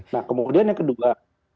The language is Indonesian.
nah kemudian yang kedua